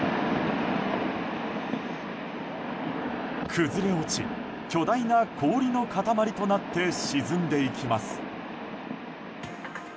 崩れ落ち、巨大な氷の塊となって沈んでいきます。